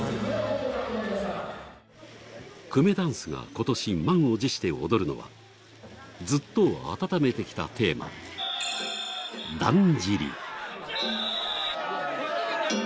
くめだんすが今年満を持して踊るのはずっと温めてきたテーマだんじり。